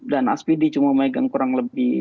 dan aspd cuma megang kurang lebih